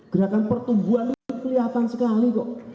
gerakan pertumbuhan itu kelihatan sekali kok